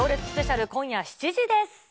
スペシャル今夜７時です。